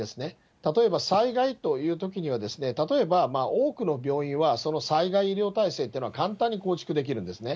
例えば災害というときにはですね、例えば、多くの病院は、その災害医療体制っていうのは簡単に構築できるんですね。